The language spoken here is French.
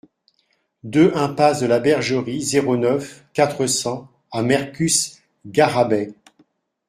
deux impasse de la Bergerie, zéro neuf, quatre cents à Mercus-Garrabet